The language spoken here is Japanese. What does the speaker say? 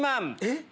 えっ？